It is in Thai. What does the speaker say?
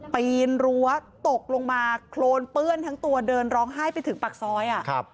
ปีนรั้วตกลงมาโครนเปื้อนทั้งตัวเดินร้องไห้ไปถึงปากซอย